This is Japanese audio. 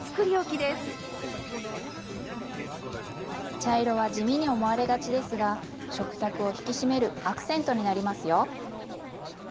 茶色は地味に思われがちですが食卓を引き締めるアクセントになりますよ。